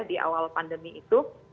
di awal pandemi itu